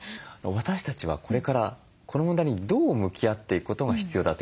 私たちはこれからこの問題にどう向き合っていくことが必要だというふうに思われますか？